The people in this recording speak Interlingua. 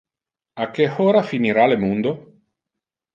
A que hora finira le mundo?